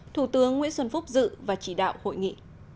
thủ tướng nguyễn xuân phúc dự và chỉ đạo hội nghị